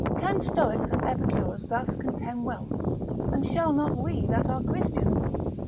Can stoics and epicures thus contemn wealth, and shall not we that are Christians?